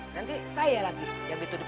nanti saya lagi yang dituduk nyulik